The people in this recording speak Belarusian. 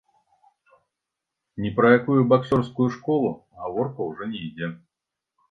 Ні пра якую баксёрскую школу гаворка ўжо не ідзе.